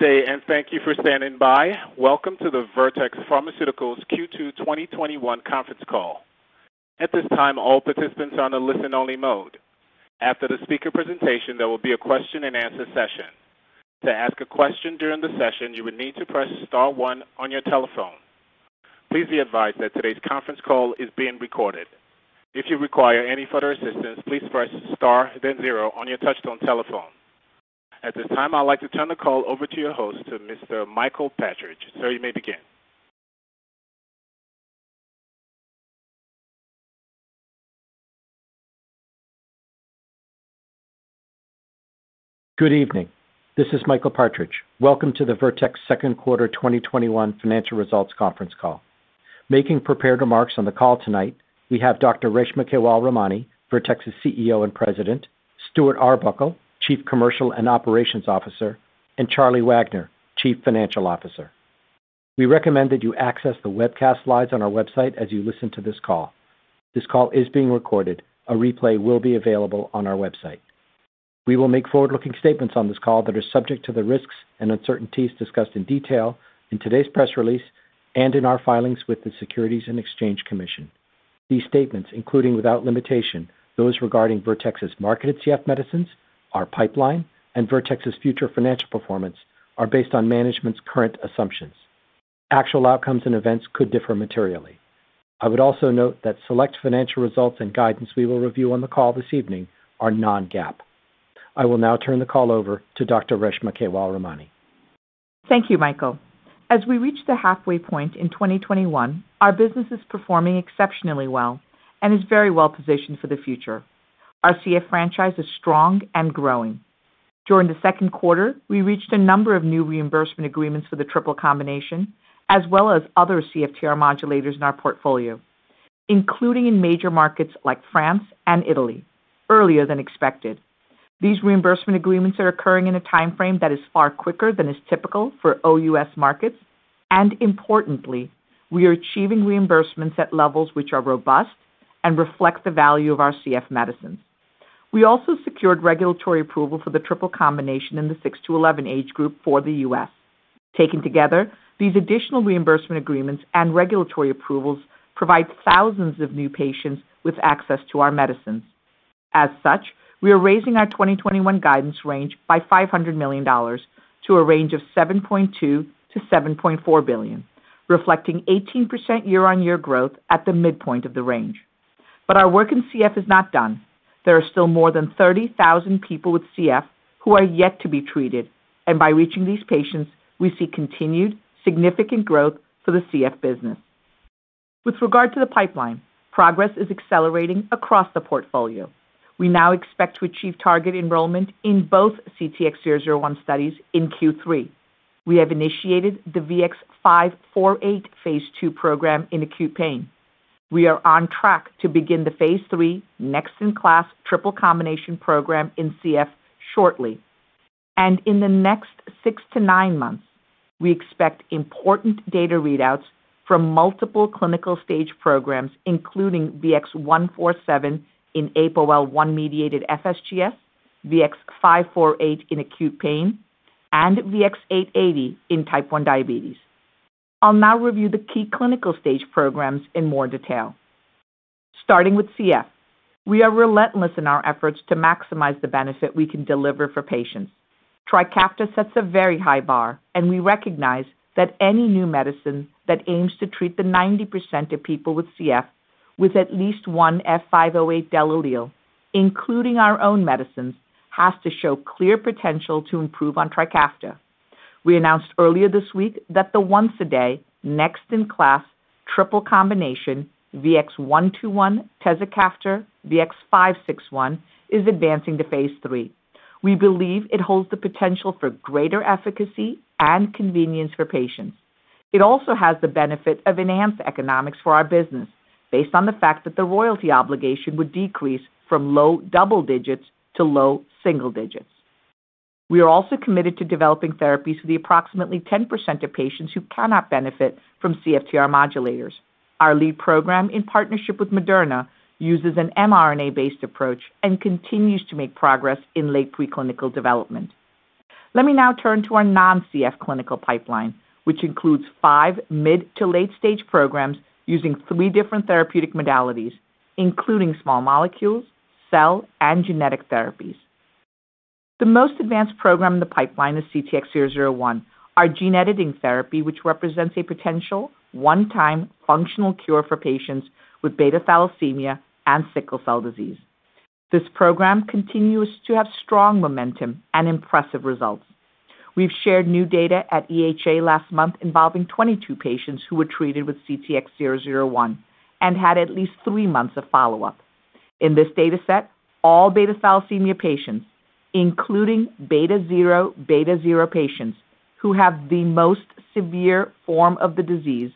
Good day, and thank you for standing by. Welcome to the Vertex Pharmaceuticals Q2 2021 Conference Call. At this time, all participants are on a listen-only mode. After the speaker presentation, there will be a question and answer session. To ask a question during the session, you would need to press star one on your telephone. Please be advised that today's conference call is being recorded. If you require any further assistance, please press star then zero on your touch-tone telephone. At this time, I'd like to turn the call over to your host, to Mr. Michael Partridge. Sir, you may begin. Good evening. This is Michael Partridge. Welcome to the Vertex second quarter 2021 financial results conference call. Making prepared remarks on the call tonight, we have Dr. Reshma Kewalramani, Vertex's CEO and President, Stuart Arbuckle, Chief Commercial and Operations Officer, and Charlie Wagner, Chief Financial Officer. We recommend that you access the webcast slides on our website as you listen to this call. This call is being recorded. A replay will be available on our website. We will make forward-looking statements on this call that are subject to the risks and uncertainties discussed in detail in today's press release and in our filings with the Securities and Exchange Commission. These statements, including without limitation, those regarding Vertex's marketed CF medicines, our pipeline, and Vertex's future financial performance, are based on management's current assumptions. Actual outcomes and events could differ materially. I would also note that select financial results and guidance we will review on the call this evening are non-GAAP. I will now turn the call over to Dr. Reshma Kewalramani. Thank you, Michael. As we reach the halfway point in 2021, our business is performing exceptionally well and is very well-positioned for the future. Our CF franchise is strong and growing. During the second quarter, we reached a number of new reimbursement agreements for the triple combination, as well as other CFTR modulators in our portfolio, including in major markets like France and Italy, earlier than expected. These reimbursement agreements are occurring in a timeframe that is far quicker than is typical for OUS markets, and importantly, we are achieving reimbursements at levels which are robust and reflect the value of our CF medicines. We also secured regulatory approval for the triple combination in the six to 11 age group for the U.S. Taken together, these additional reimbursement agreements and regulatory approvals provide thousands of new patients with access to our medicines. As such, we are raising our 2021 guidance range by $500 million to a range of $7.2 billion-$7.4 billion, reflecting 18% year-on-year growth at the midpoint of the range. Our work in CF is not done. There are still more than 30,000 people with CF who are yet to be treated, and by reaching these patients, we see continued significant growth for the CF business. With regard to the pipeline, progress is accelerating across the portfolio. We now expect to achieve target enrollment in both CTX001 studies in Q3. We have initiated the VX-548 Phase II program in acute pain. We are on track to begin the phase III next-in-class triple combination program in CF shortly. In the next six to nine months, we expect important data readouts from multiple clinical stage programs, including VX-147 in APOL1-mediated FSGS, VX-548 in acute pain, and VX-880 in Type 1 diabetes. I'll now review the key clinical stage programs in more detail. Starting with CF, we are relentless in our efforts to maximize the benefit we can deliver for patients. TRIKAFTA sets a very high bar. We recognize that any new medicine that aims to treat the 90% of people with CF with at least one F508del allele, including our own medicines, has to show clear potential to improve on TRIKAFTA. We announced earlier this week that the once-a-day next-in-class triple combination VX-121/tezacaftor/VX-561 is advancing to phase III. We believe it holds the potential for greater efficacy and convenience for patients. It also has the benefit of enhanced economics for our business based on the fact that the royalty obligation would decrease from low double digits to low single digits. We are also committed to developing therapies for the approximately 10% of patients who cannot benefit from CFTR modulators. Our lead program, in partnership with Moderna, uses an mRNA-based approach and continues to make progress in late preclinical development. Let me now turn to our non-CF clinical pipeline, which includes five mid to late-stage programs using three different therapeutic modalities, including small molecules, cell, and genetic therapies. The most advanced program in the pipeline is CTX001, our gene-editing therapy, which represents a potential one-time functional cure for patients with beta thalassemia and sickle cell disease. This program continues to have strong momentum and impressive results. We've shared new data at EHA last month involving 22 patients who were treated with CTX001 and had at least three months of follow-up. In this data set, all beta thalassemia patients, including beta zero beta zero patients who have the most severe form of the disease,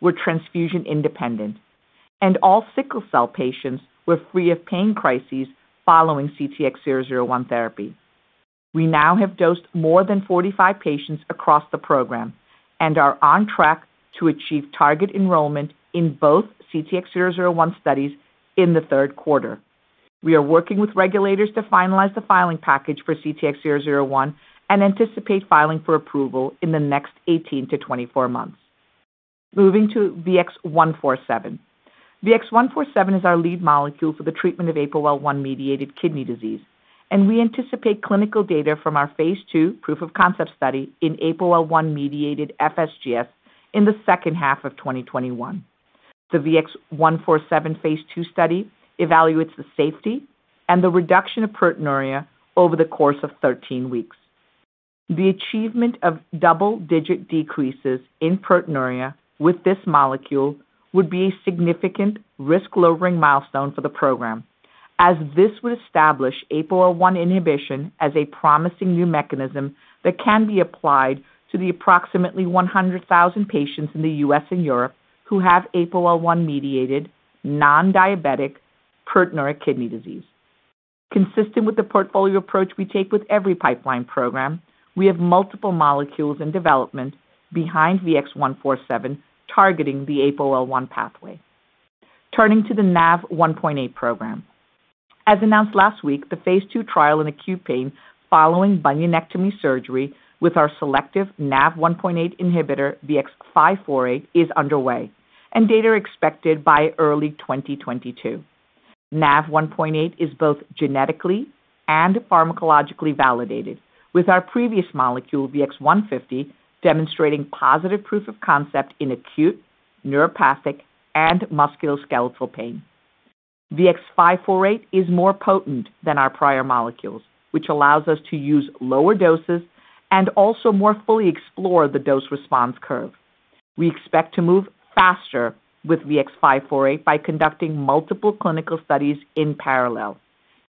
were transfusion independent, and all sickle cell patients were free of pain crises following CTX001 therapy. We now have dosed more than 45 patients across the program and are on track to achieve target enrollment in both CTX001 studies in the third quarter. We are working with regulators to finalize the filing package for CTX001 and anticipate filing for approval in the next 18-24 months. Moving to VX-147. VX-147 is our lead molecule for the treatment of APOL1-mediated kidney disease, and we anticipate clinical data from our phase II proof of concept study in APOL1-mediated FSGS in the second half of 2021. The VX-147 phase II study evaluates the safety and the reduction of proteinuria over the course of 13 weeks. The achievement of double-digit decreases in proteinuria with this molecule would be a significant risk-lowering milestone for the program, as this would establish APOL1 inhibition as a promising new mechanism that can be applied to the approximately 100,000 patients in the U.S. and Europe who have APOL1-mediated non-diabetic proteinuria kidney disease. Consistent with the portfolio approach we take with every pipeline program, we have multiple molecules in development behind VX-147 targeting the APOL1 pathway. Turning to the NaV1.8 program. As announced last week, the phase II trial in acute pain following bunionectomy surgery with our selective NaV1.8 inhibitor, VX-548, is underway, and data are expected by early 2022. NaV1.8 is both genetically and pharmacologically validated, with our previous molecule, VX-150, demonstrating positive proof of concept in acute, neuropathic, and musculoskeletal pain. VX-548 is more potent than our prior molecules, which allows us to use lower doses and also more fully explore the dose-response curve. We expect to move faster with VX-548 by conducting multiple clinical studies in parallel.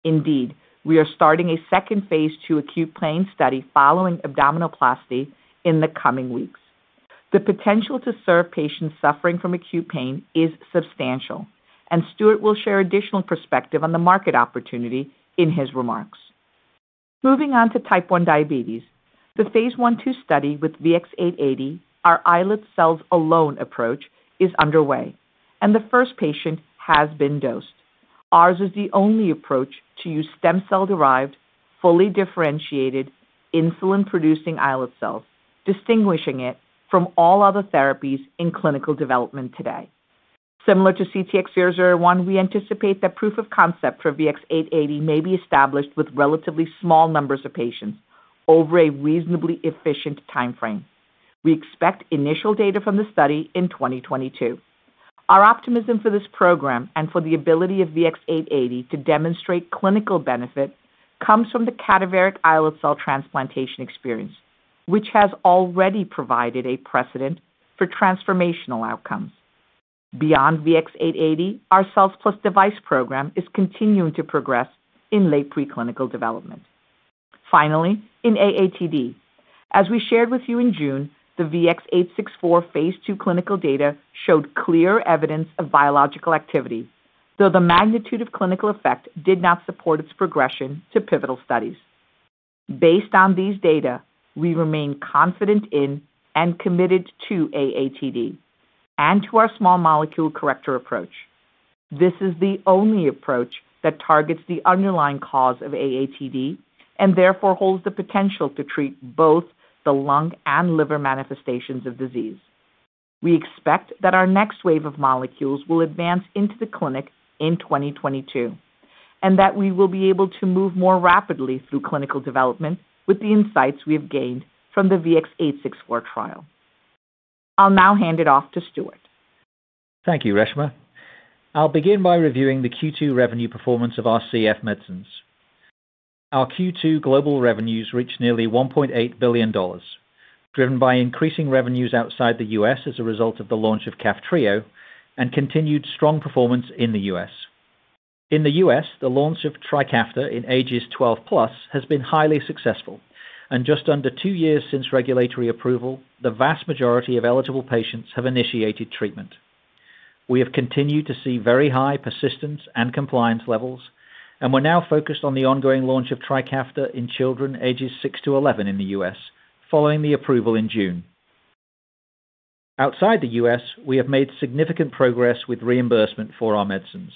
Indeed, we are starting a second phase II acute pain study following abdominoplasty in the coming weeks. The potential to serve patients suffering from acute pain is substantial. Stuart will share additional perspective on the market opportunity in his remarks. Moving on to Type 1 diabetes. The phase I/II study with VX-880, our islet cells-alone approach, is underway. The first patient has been dosed. Ours is the only approach to use stem cell-derived, fully differentiated insulin-producing islet cells, distinguishing it from all other therapies in clinical development today. Similar to CTX001, we anticipate that proof of concept for VX-880 may be established with relatively small numbers of patients over a reasonably efficient timeframe. We expect initial data from the study in 2022. Our optimism for this program and for the ability of VX-880 to demonstrate clinical benefit comes from the cadaveric islet cell transplantation experience, which has already provided a precedent for transformational outcomes. Beyond VX-880, our cells plus device program is continuing to progress in late preclinical development. Finally, in AATD. As we shared with you in June, the VX-864 phase II clinical data showed clear evidence of biological activity, though the magnitude of clinical effect did not support its progression to pivotal studies. Based on these data, we remain confident in and committed to AATD and to our small molecule corrector approach. This is the only approach that targets the underlying cause of AATD and therefore holds the potential to treat both the lung and liver manifestations of disease. We expect that our next wave of molecules will advance into the clinic in 2022 and that we will be able to move more rapidly through clinical development with the insights we have gained from the VX-864 trial. I'll now hand it off to Stuart. Thank you, Reshma. I'll begin by reviewing the Q2 revenue performance of our CF medicines. Our Q2 global revenues reached nearly $1.8 billion, driven by increasing revenues outside the U.S. as a result of the launch of KAFTRIO and continued strong performance in the U.S. In the U.S., the launch of TRIKAFTA in ages 12+ has been highly successful, and just under two years since regulatory approval, the vast majority of eligible patients have initiated treatment. We have continued to see very high persistence and compliance levels. We're now focused on the ongoing launch of TRIKAFTA in children ages six to 11 in the U.S. following the approval in June. Outside the U.S., we have made significant progress with reimbursement for our medicines.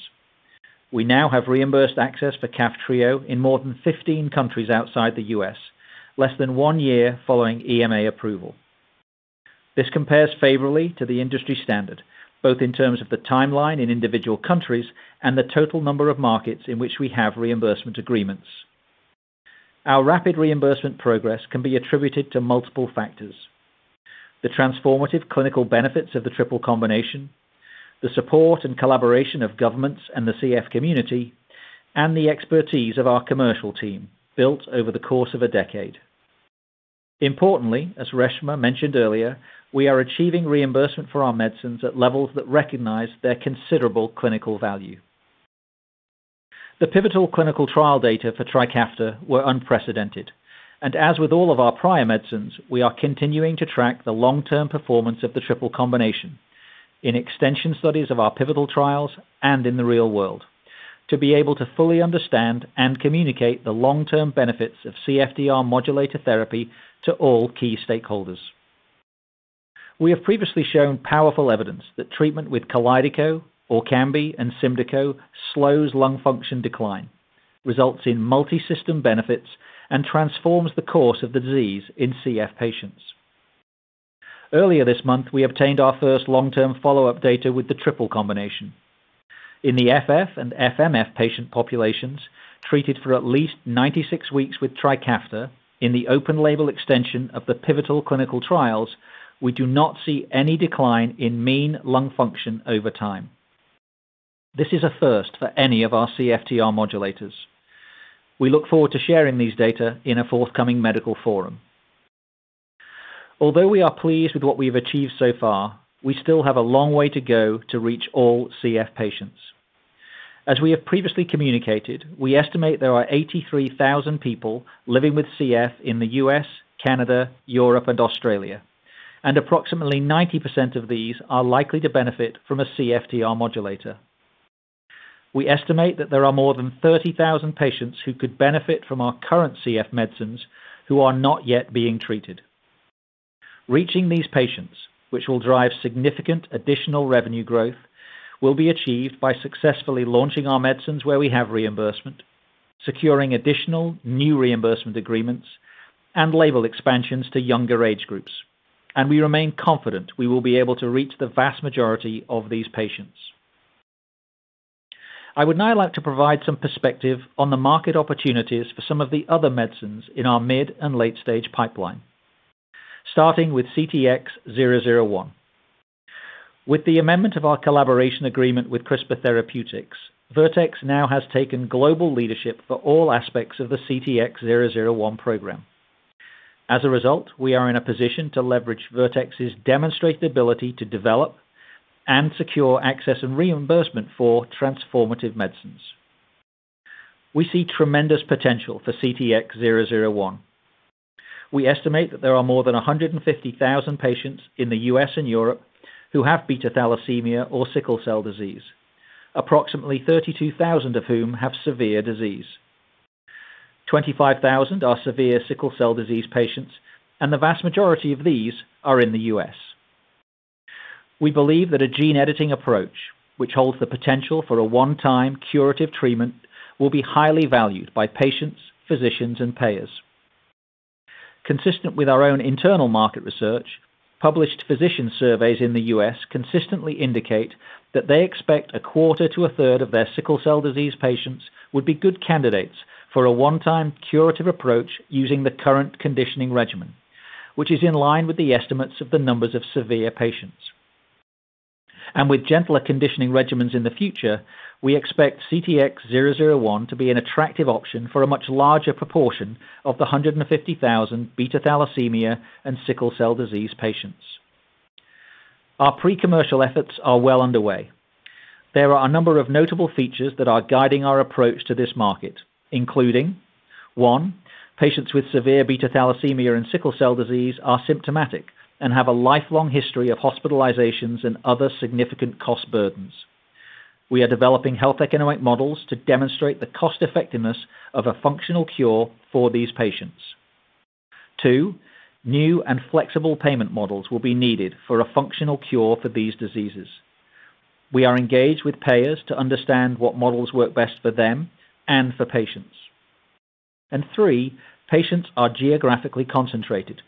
We now have reimbursed access for KAFTRIO in more than 15 countries outside the U.S., less than one year following EMA approval. This compares favorably to the industry standard, both in terms of the timeline in individual countries and the total number of markets in which we have reimbursement agreements. Our rapid reimbursement progress can be attributed to multiple factors. The transformative clinical benefits of the triple combination, the support and collaboration of governments and the CF community, and the expertise of our commercial team built over the course of a decade. Importantly, as Reshma mentioned earlier, we are achieving reimbursement for our medicines at levels that recognize their considerable clinical value. The pivotal clinical trial data for TRIKAFTA were unprecedented, and as with all of our prior medicines, we are continuing to track the long-term performance of the triple combination in extension studies of our pivotal trials and in the real world to be able to fully understand and communicate the long-term benefits of CFTR modulator therapy to all key stakeholders. We have previously shown powerful evidence that treatment with KALYDECO, ORKAMBI, and SYMDEKO slows lung function decline, results in multi-system benefits, and transforms the course of the disease in CF patients. Earlier this month, we obtained our first long-term follow-up data with the triple combination. In the F/F and F/MF patient populations treated for at least 96 weeks with TRIKAFTA in the open label extension of the pivotal clinical trials, we do not see any decline in mean lung function over time. This is a first for any of our CFTR modulators. We look forward to sharing these data in a forthcoming medical forum. Although we are pleased with what we've achieved so far, we still have a long way to go to reach all CF patients. As we have previously communicated, we estimate there are 83,000 people living with CF in the U.S., Canada, Europe, and Australia, and approximately 90% of these are likely to benefit from a CFTR modulator. We estimate that there are more than 30,000 patients who could benefit from our current CF medicines who are not yet being treated. Reaching these patients, which will drive significant additional revenue growth, will be achieved by successfully launching our medicines where we have reimbursement, securing additional new reimbursement agreements, and label expansions to younger age groups, and we remain confident we will be able to reach the vast majority of these patients. I would now like to provide some perspective on the market opportunities for some of the other medicines in our mid and late-stage pipeline, starting with CTX001. With the amendment of our collaboration agreement with CRISPR Therapeutics, Vertex now has taken global leadership for all aspects of the CTX001 program. As a result, we are in a position to leverage Vertex's demonstrated ability to develop and secure access and reimbursement for transformative medicines. We see tremendous potential for CTX001. We estimate that there are more than 150,000 patients in the U.S. and Europe who have beta thalassemia or sickle cell disease, approximately 32,000 of whom have severe disease. 25,000 are severe sickle cell disease patients, and the vast majority of these are in the U.S. We believe that a gene editing approach, which holds the potential for a one-time curative treatment, will be highly valued by patients, physicians, and payers. Consistent with our own internal market research, published physician surveys in the U.S. consistently indicate that they expect a quarter to a third of their sickle cell disease patients would be good candidates for a one-time curative approach using the current conditioning regimen, which is in line with the estimates of the numbers of severe patients. With gentler conditioning regimens in the future, we expect CTX001 to be an attractive option for a much larger proportion of the 150,000 beta thalassemia and sickle cell disease patients. Our pre-commercial efforts are well underway. There are a number of notable features that are guiding our approach to this market, including, one, patients with severe beta thalassemia and sickle cell disease are symptomatic and have a lifelong history of hospitalizations and other significant cost burdens. We are developing health economic models to demonstrate the cost-effectiveness of a functional cure for these patients. Two, new and flexible payment models will be needed for a functional cure for these diseases. We are engaged with payers to understand what models work best for them and for patients. Three, patients are geographically concentrated.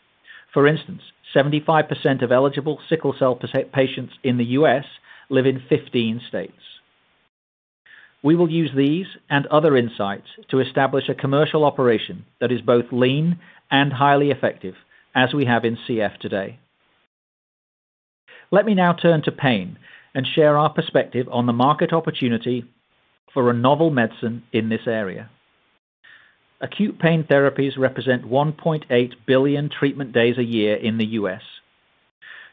For instance, 75% of eligible sickle cell patients in the U.S. live in 15 states. We will use these and other insights to establish a commercial operation that is both lean and highly effective, as we have in CF today. Let me now turn to pain and share our perspective on the market opportunity for a novel medicine in this area. Acute pain therapies represent 1.8 billion treatment days a year in the U.S.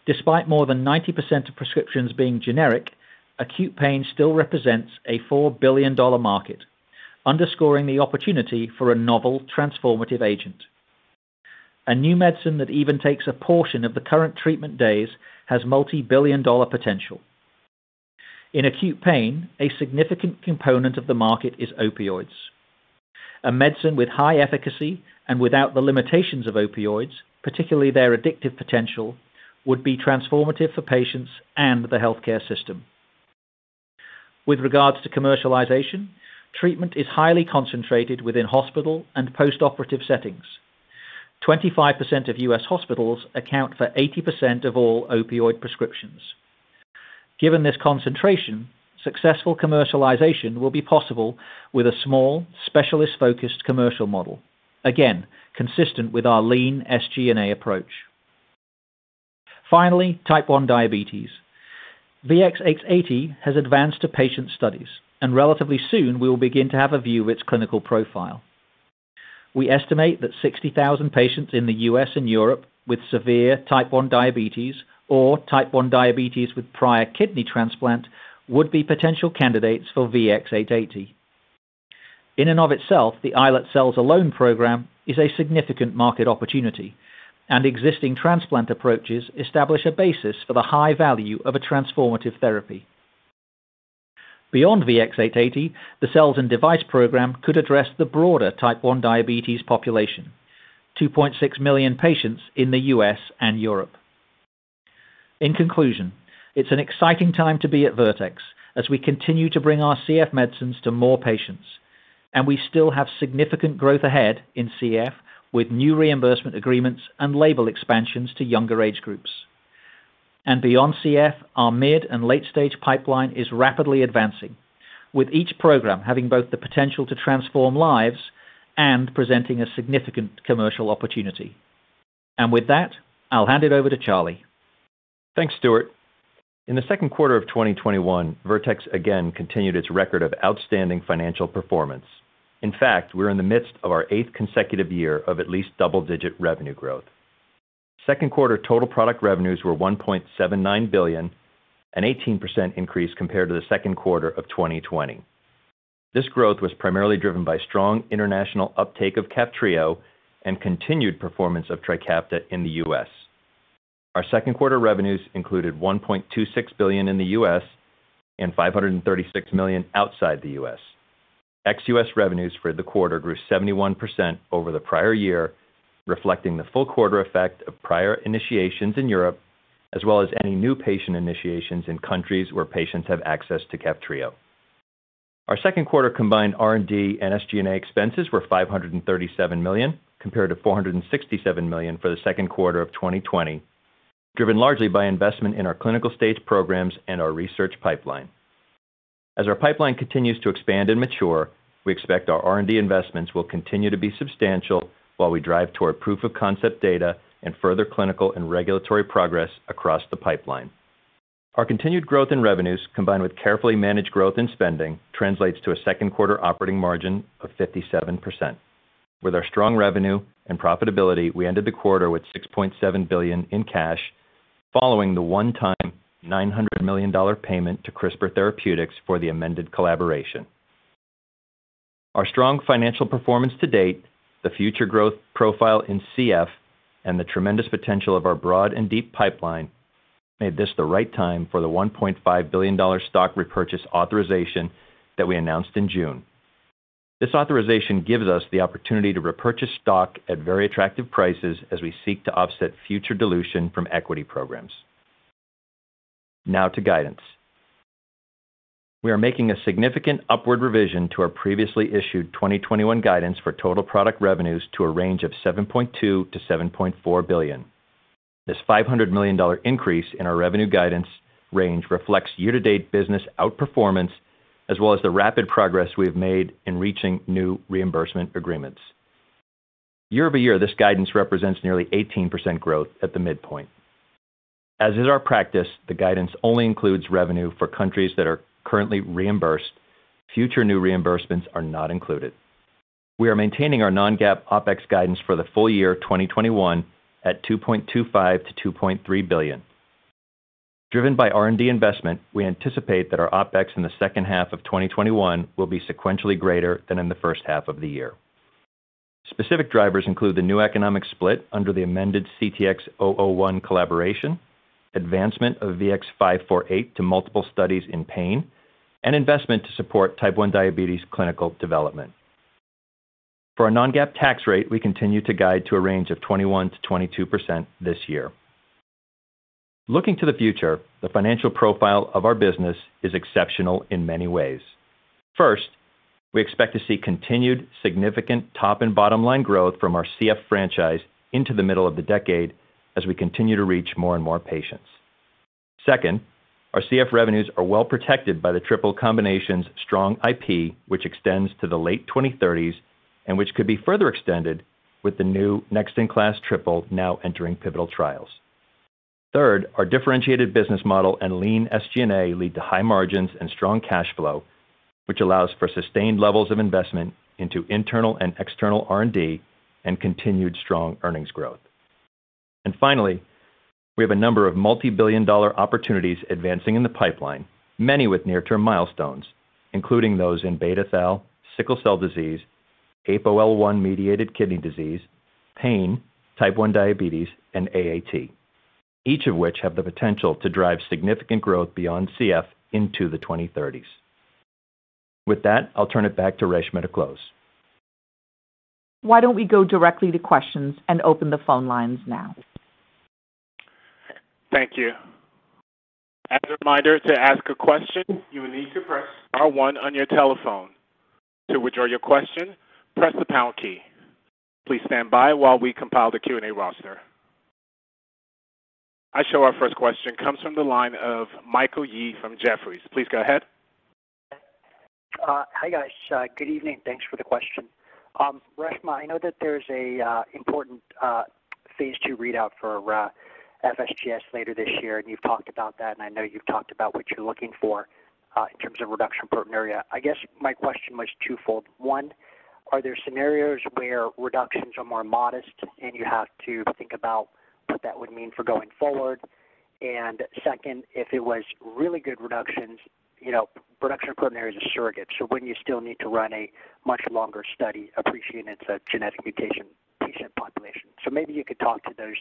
Despite more than 90% of prescriptions being generic, acute pain still represents a $4 billion market, underscoring the opportunity for a novel transformative agent. A new medicine that even takes a portion of the current treatment days has multi-billion dollar potential. In acute pain, a significant component of the market is opioids. A medicine with high efficacy and without the limitations of opioids, particularly their addictive potential, would be transformative for patients and the healthcare system. With regards to commercialization, treatment is highly concentrated within hospital and post-operative settings. 25% of U.S. hospitals account for 80% of all opioid prescriptions. Given this concentration, successful commercialization will be possible with a small, specialist-focused commercial model, again, consistent with our lean SG&A approach. Finally, Type 1 diabetes. VX-880 has advanced to patient studies, and relatively soon, we will begin to have a view of its clinical profile. We estimate that 60,000 patients in the U.S. and Europe with severe Type 1 diabetes or Type 1 diabetes with prior kidney transplant would be potential candidates for VX-880. In and of itself, the Islet Cells Alone program is a significant market opportunity, and existing transplant approaches establish a basis for the high value of a transformative therapy. Beyond VX-880, the cells and device program could address the broader Type 1 diabetes population, 2.6 million patients in the U.S. and Europe. In conclusion, it's an exciting time to be at Vertex as we continue to bring our CF medicines to more patients, and we still have significant growth ahead in CF with new reimbursement agreements and label expansions to younger age groups. Beyond CF, our mid and late-stage pipeline is rapidly advancing, with each program having both the potential to transform lives and presenting a significant commercial opportunity. With that, I'll hand it over to Charlie. Thanks, Stuart. In the second quarter of 2021, Vertex again continued its record of outstanding financial performance. In fact, we're in the midst of our eighth consecutive year of at least double-digit revenue growth. Second quarter total product revenues were $1.79 billion, an 18% increase compared to the second quarter of 2020. This growth was primarily driven by strong international uptake of KAFTRIO and continued performance of TRIKAFTA in the U.S. Our second quarter revenues included $1.26 billion in the U.S. and $536 million outside the U.S. Ex-U.S. revenues for the quarter grew 71% over the prior year, reflecting the full quarter effect of prior initiations in Europe, as well as any new patient initiations in countries where patients have access to KAFTRIO. Our second quarter combined R&D and SG&A expenses were $537 million, compared to $467 million for the second quarter of 2020, driven largely by investment in our clinical-stage programs and our research pipeline. As our pipeline continues to expand and mature, we expect our R&D investments will continue to be substantial while we drive toward proof of concept data and further clinical and regulatory progress across the pipeline. Our continued growth in revenues, combined with carefully managed growth in spending, translates to a second quarter operating margin of 57%. With our strong revenue and profitability, we ended the quarter with $6.7 billion in cash, following the one-time $900 million payment to CRISPR Therapeutics for the amended collaboration. Our strong financial performance to date, the future growth profile in CF, and the tremendous potential of our broad and deep pipeline made this the right time for the $1.5 billion stock repurchase authorization that we announced in June. This authorization gives us the opportunity to repurchase stock at very attractive prices as we seek to offset future dilution from equity programs. To guidance. We are making a significant upward revision to our previously issued 2021 guidance for total product revenues to a range of $7.2 billion-$7.4 billion. This $500 million increase in our revenue guidance range reflects year-to-date business outperformance, as well as the rapid progress we have made in reaching new reimbursement agreements. Year-over-year, this guidance represents nearly 18% growth at the midpoint. As is our practice, the guidance only includes revenue for countries that are currently reimbursed. Future new reimbursements are not included. We are maintaining our non-GAAP OpEx guidance for the full year 2021 at $2.25 billion-$2.3 billion. Driven by R&D investment, we anticipate that our OpEx in the second half of 2021 will be sequentially greater than in the first half of the year. Specific drivers include the new economic split under the amended CTX001 collaboration, advancement of VX-548 to multiple studies in pain, and investment to support Type 1 diabetes clinical development. For our non-GAAP tax rate, we continue to guide to a range of 21%-22% this year. Looking to the future, the financial profile of our business is exceptional in many ways. First, we expect to see continued significant top and bottom-line growth from our CF franchise into the middle of the decade as we continue to reach more and more patients. Second, our CF revenues are well protected by the triple combination's strong IP, which extends to the late 2030s and which could be further extended with the new next-in-class triple now entering pivotal trials. Third, our differentiated business model and lean SG&A lead to high margins and strong cash flow, which allows for sustained levels of investment into internal and external R&D and continued strong earnings growth. Finally, we have a number of multi-billion dollar opportunities advancing in the pipeline, many with near-term milestones, including those in beta thal, sickle cell disease, APOL1-mediated kidney disease, pain, Type 1 diabetes, and AAT, each of which have the potential to drive significant growth beyond CF into the 2030s. With that, I'll turn it back to Reshma to close. Why don't we go directly to questions and open the phone lines now? Thank you. As a reminder, to ask a question, you will need to press star one on your telephone. To withdraw your question, press the pound key. Please stand by while we compile the Q&A roster. I show our first question comes from the line of Michael Yee from Jefferies. Please go ahead. Hi, guys. Good evening. Thanks for the question. Reshma, I know that there's an important phase II readout for FSGS later this year, and you've talked about that, and I know you've talked about what you're looking for in terms of reduction in proteinuria. I guess my question was twofold. One, are there scenarios where reductions are more modest and you have to think about what that would mean for going forward? Second, if it was really good reductions, you know, reduction in proteinuria is a surrogate, so wouldn't you still need to run a much longer study, appreciating it's a genetic mutation? Maybe you could talk to those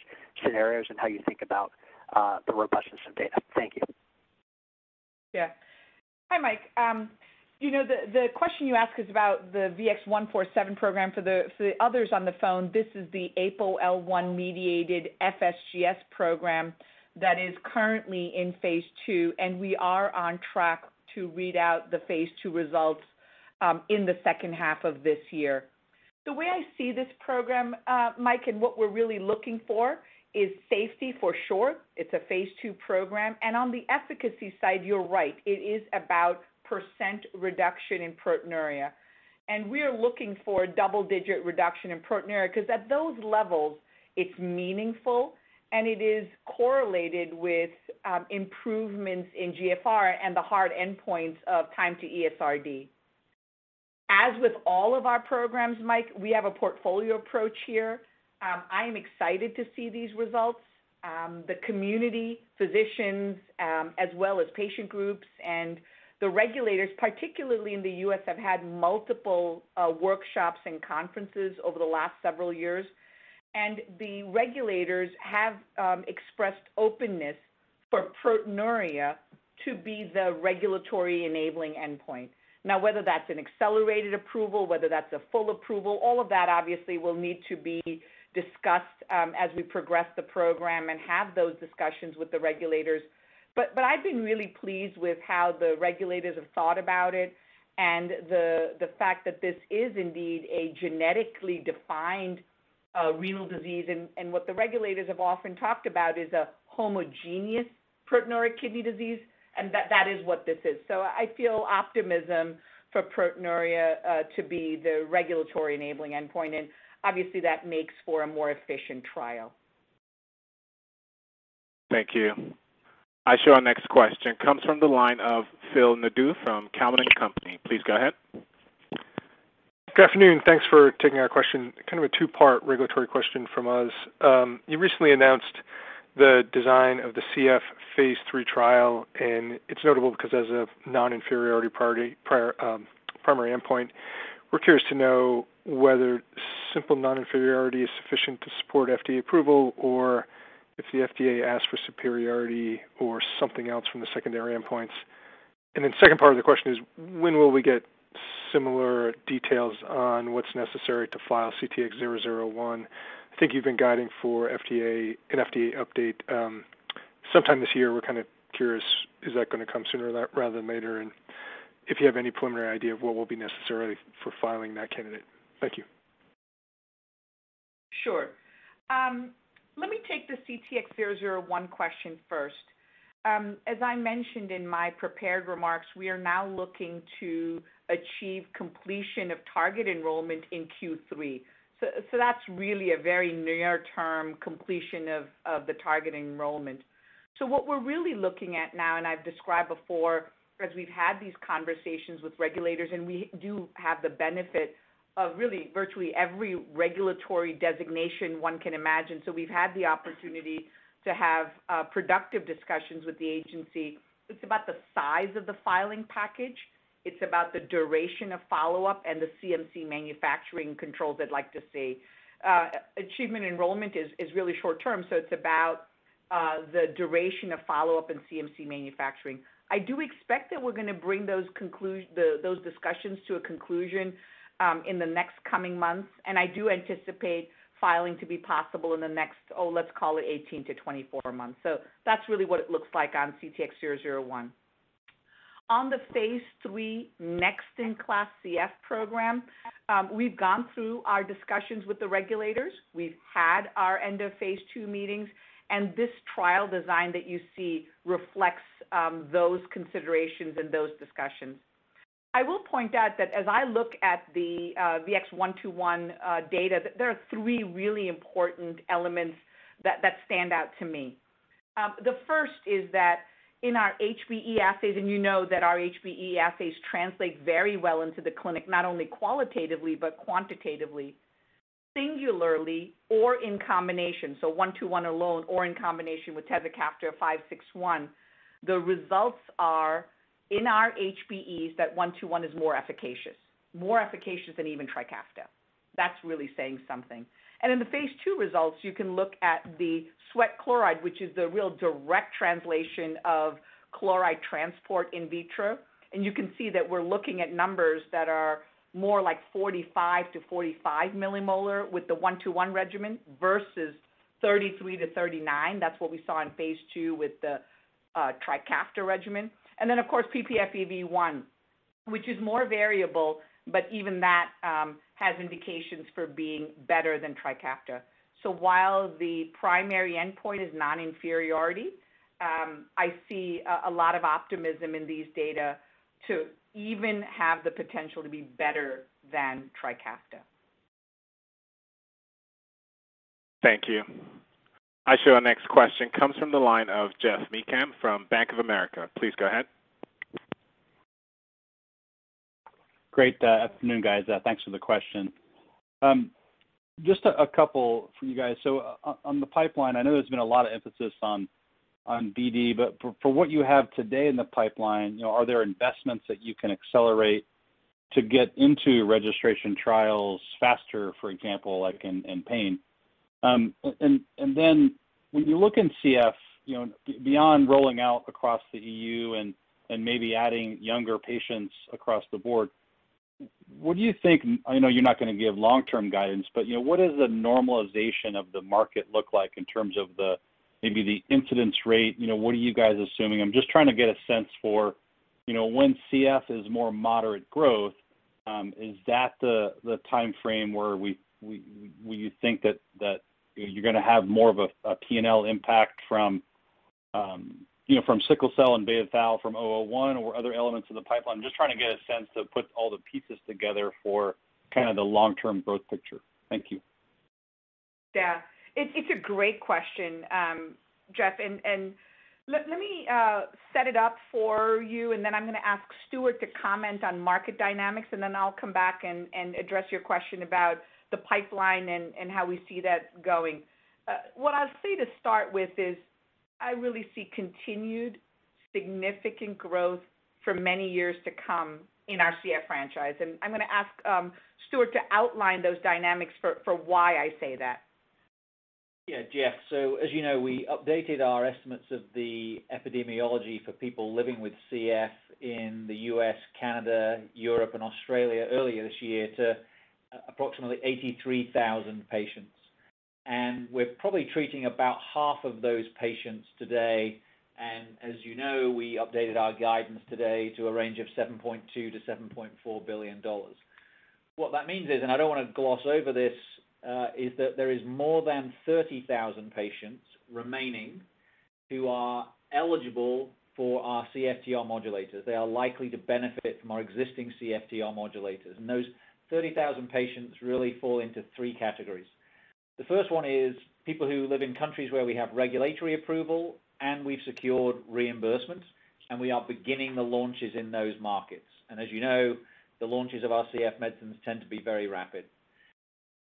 scenarios and how you think about the robustness of data. Thank you. Yeah. Hi, Mike. The question you ask is about the VX-147 program. For the others on the phone, this is the APOL1-mediated FSGS program that is currently in phase II, and we are on track to read out the phase II results in the second half of this year. The way I see this program, Mike, and what we're really looking for, is safety, for sure. It's a phase II program. On the efficacy side, you're right, it is about percent reduction in proteinuria. We're looking for double-digit reduction in proteinuria, because at those levels it's meaningful, and it is correlated with improvements in GFR and the hard endpoints of time to ESRD. As with all of our programs, Mike, we have a portfolio approach here. I am excited to see these results. The community physicians, as well as patient groups and the regulators, particularly in the U.S., have had multiple workshops and conferences over the last several years. The regulators have expressed openness for proteinuria to be the regulatory enabling endpoint. Now, whether that's an accelerated approval, whether that's a full approval, all of that obviously will need to be discussed as we progress the program and have those discussions with the regulators. I've been really pleased with how the regulators have thought about it and the fact that this is indeed a genetically defined renal disease. What the regulators have often talked about is a homogeneous proteinuria kidney disease, and that is what this is. I feel optimism for proteinuria to be the regulatory enabling endpoint. Obviously that makes for a more efficient trial. Thank you. I show our next question comes from the line of Phil Nadeau from Cowen and Company. Please go ahead. Good afternoon. Thanks for taking our question. Kind of a two-part regulatory question from us. You recently announced the design of the CF phase III trial, and it's notable because it has a non-inferiority primary endpoint. We're curious to know whether simple non-inferiority is sufficient to support FDA approval, or if the FDA asks for superiority or something else from the secondary endpoints. The second part of the question is, when will we get similar details on what's necessary to file CTX001? I think you've been guiding for an FDA update sometime this year. We're kind of curious, is that going to come sooner rather than later? If you have any preliminary idea of what will be necessary for filing that candidate. Thank you. Sure. Let me take the CTX001 question first. As I mentioned in my prepared remarks, we are now looking to achieve completion of target enrollment in Q3. That's really a very near-term completion of the target enrollment. What we're really looking at now, and I've described before, because we've had these conversations with regulators, and we do have the benefit of really virtually every regulatory designation one can imagine. We've had the opportunity to have productive discussions with the agency. It's about the size of the filing package. It's about the duration of follow-up and the CMC manufacturing controls they'd like to see. Achievement enrollment is really short-term, so it's about the duration of follow-up and CMC manufacturing. I do expect that we're going to bring those discussions to a conclusion in the next coming months, and I do anticipate filing to be possible in the next, oh, let's call it 18-24 months. That's really what it looks like on CTX001. On the phase III next-in-class CF program, we've gone through our discussions with the regulators. We've had our end of phase II meetings, and this trial design that you see reflects those considerations and those discussions. I will point out that as I look at the VX-121 data, there are three really important elements that stand out to me. The first is that in our HBE assays, and you know that our HBE assays translate very well into the clinic, not only qualitatively but quantitatively, singularly or in combination, so VX-121 alone or in combination with tezacaftor VX-561. The results are in our HBEs that VX-121 is more efficacious, more efficacious than even TRIKAFTA. That's really saying something. In the phase II results, you can look at the sweat chloride, which is the real direct translation of chloride transport in vitro, and you can see that we're looking at numbers that are more like 45-45 millimolar with the VX-121 regimen versus 33-39. That's what we saw in phase II with the TRIKAFTA regimen. Of course, ppFEV1, which is more variable, but even that has indications for being better than TRIKAFTA. While the primary endpoint is non-inferiority, I see a lot of optimism in these data to even have the potential to be better than TRIKAFTA. Thank you. I show our next question comes from the line of Geoff Meacham from Bank of America. Please go ahead. Great. Afternoon, guys. Thanks for the question. Just a couple for you guys. On the pipeline, I know there's been a lot of emphasis on BD, but for what you have today in the pipeline, are there investments that you can accelerate to get into registration trials faster, for example, like in pain? When you look in CF, beyond rolling out across the EU and maybe adding younger patients across the board, what do you think, I know you're not going to give long-term guidance, but what does the normalization of the market look like in terms of maybe the incidence rate? What are you guys assuming? I'm just trying to get a sense for when CF is more moderate growth, is that the timeframe where you think that you're going to have more of a P&L impact from sickle cell and beta thal from CTX001 or other elements of the pipeline? I'm just trying to get a sense to put all the pieces together for the long-term growth picture. Thank you. Yeah. It's a great question, Geoff, and let me set it up for you, and then I'm going to ask Stuart to comment on market dynamics, and then I'll come back and address your question about the pipeline and how we see that going. What I'll say to start with is, I really see continued significant growth for many years to come in our CF franchise, and I'm going to ask Stuart to outline those dynamics for why I say that. Yeah, Geoff. As you know, we updated our estimates of the epidemiology for people living with CF in the U.S., Canada, Europe, and Australia earlier this year to approximately 83,000 patients. We're probably treating about half of those patients today. As you know, we updated our guidance today to a range of $7.2 billion-$7.4 billion. What that means is, and I don't want to gloss over this, is that there is more than 30,000 patients remaining who are eligible for our CFTR modulators. They are likely to benefit from our existing CFTR modulators. Those 30,000 patients really fall into three categories. The first one is people who live in countries where we have regulatory approval and we've secured reimbursement, and we are beginning the launches in those markets. As you know, the launches of our CF medicines tend to be very rapid.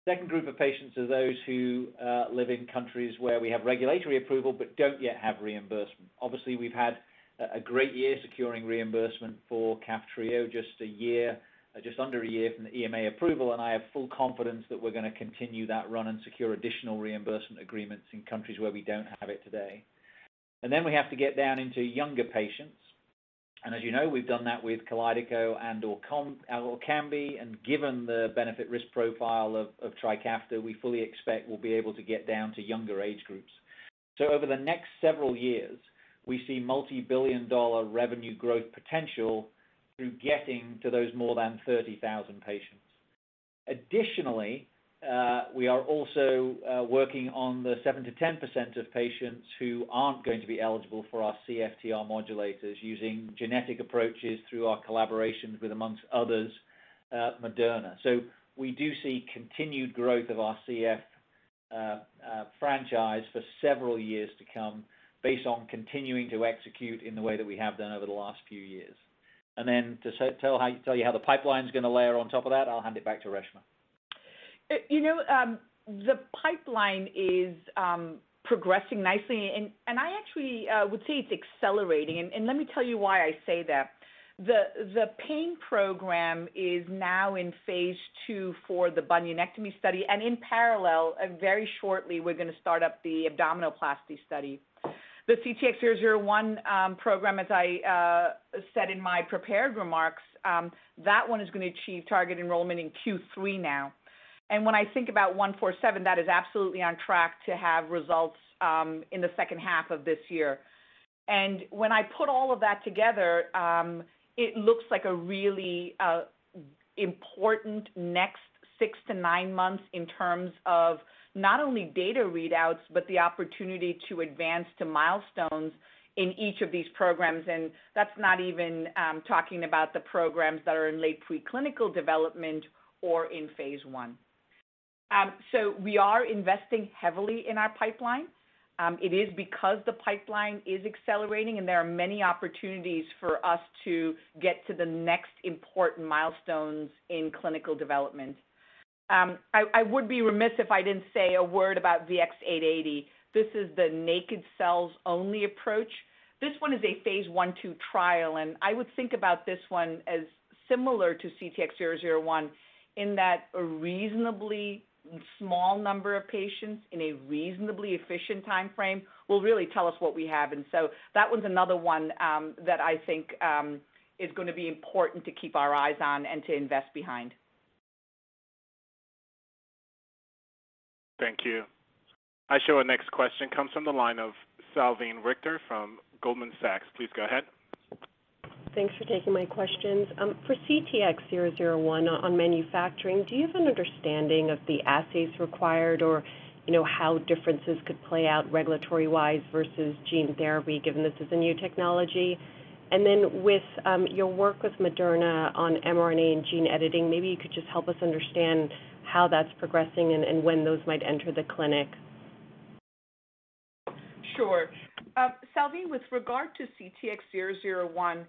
Second group of patients are those who live in countries where we have regulatory approval but don't yet have reimbursement. Obviously, we've had a great year securing reimbursement for KAFTRIO just under a year from the EMA approval, I have full confidence that we're going to continue that run and secure additional reimbursement agreements in countries where we don't have it today. Then we have to get down into younger patients. As you know, we've done that with KALYDECO and/or ORKAMBI. Given the benefit-risk profile of TRIKAFTA, we fully expect we'll be able to get down to younger age groups. Over the next several years, we see multibillion-dollar revenue growth potential through getting to those more than 30,000 patients. We are also working on the 7%-10% of patients who aren't going to be eligible for our CFTR modulators using genetic approaches through our collaborations with, amongst others, Moderna. We do see continued growth of our CF franchise for several years to come based on continuing to execute in the way that we have done over the last few years. To tell you how the pipeline's going to layer on top of that, I'll hand it back to Reshma. The pipeline is progressing nicely, and I actually would say it's accelerating. Let me tell you why I say that. The pain program is now in phase II for the bunionectomy study, and in parallel, very shortly, we're going to start up the abdominoplasty study. The CTX001 program, as I said in my prepared remarks, that one is going to achieve target enrollment in Q3 now. When I think about VX-147, that is absolutely on track to have results in the second half of this year. When I put all of that together, it looks like a really important next six to nine months in terms of not only data readouts, but the opportunity to advance to milestones in each of these programs. That's not even talking about the programs that are in late preclinical development or in phase I. We are investing heavily in our pipeline. It is because the pipeline is accelerating, and there are many opportunities for us to get to the next important milestones in clinical development. I would be remiss if I didn't say a word about VX-880. This is the naked cells-only approach. This one is a phase I/II trial, and I would think about this one as similar to CTX001 in that a reasonably small number of patients in a reasonably efficient timeframe will really tell us what we have. That one's another one that I think is going to be important to keep our eyes on and to invest behind. Thank you. I show our next question comes from the line of Salveen Richter from Goldman Sachs. Please go ahead. Thanks for taking my questions. For CTX001 on manufacturing, do you have an understanding of the assays required or how differences could play out regulatory-wise versus gene therapy, given this is a new technology? With your work with Moderna on mRNA and gene editing, maybe you could just help us understand how that's progressing and when those might enter the clinic. Sure. Salveen, with regard to CTX001,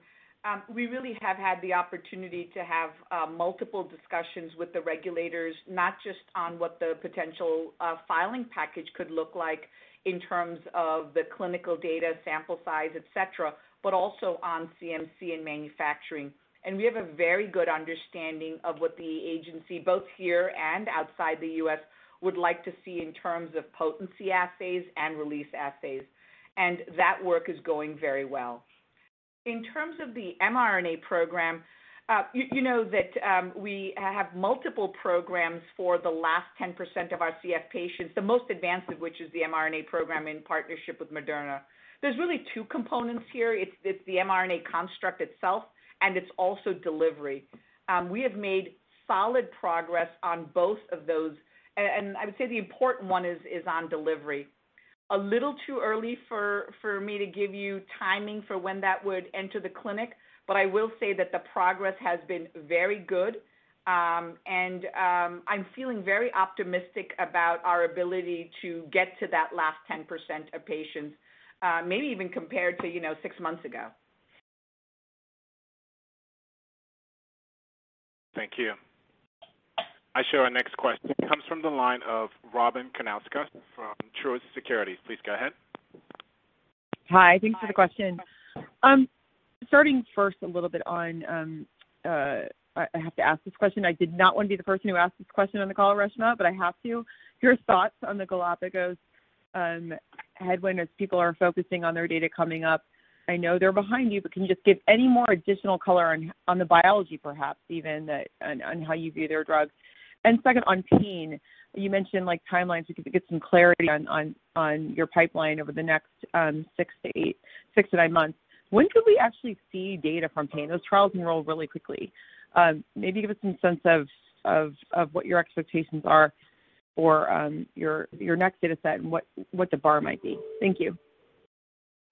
we really have had the opportunity to have multiple discussions with the regulators, not just on what the potential filing package could look like in terms of the clinical data, sample size, et cetera, but also on CMC and manufacturing. We have a very good understanding of what the agency, both here and outside the U.S., would like to see in terms of potency assays and release assays. That work is going very well. In terms of the mRNA program, you know that we have multiple programs for the last 10% of our CF patients, the most advanced of which is the mRNA program in partnership with Moderna. There's really two components here. It's the mRNA construct itself, and it's also delivery. We have made solid progress on both of those, and I would say the important one is on delivery. A little too early for me to give you timing for when that would enter the clinic, but I will say that the progress has been very good, and I'm feeling very optimistic about our ability to get to that last 10% of patients, maybe even compared to six months ago. Thank you. I show our next question comes from the line of Robyn Karnauskas from Truist Securities. Please go ahead. Hi. Thanks for the question. Starting first a little bit on, I have to ask this question. I did not want to be the person who asked this question on the call, Reshma, I have to. Your thoughts on the Galapagos headwind as people are focusing on their data coming up. I know they're behind you, can you just give any more additional color on the biology perhaps even, on how you view their drugs? Second, on pain, you mentioned timelines. We could get some clarity on your pipeline over the next six to nine months. When could we actually see data from pain? Those trials enroll really quickly. Maybe give us some sense of what your expectations are for your next data set and what the bar might be. Thank you.